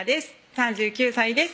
３９歳です